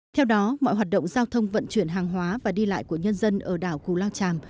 theo đó mọi hoạt động giao thông vận chuyển hàng hóa và đi lại của nhân dân ở đảo cù lao tràm